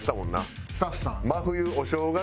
真冬お正月